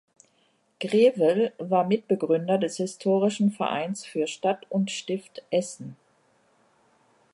Grevel war Mitbegründer des Historischen Vereins für Stadt und Stift Essen.